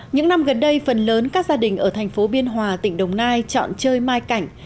những năm gần đây phần lớn các gia đình ở thành phố biên hòa tỉnh đồng nai chọn chơi mai cảnh